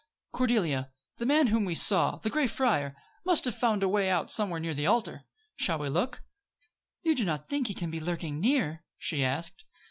"Cordelia, the man whom we saw the gray friar must have found a way out somewhere near the altar. Shall we look?" "You do not think he can be lurking near?" she asked.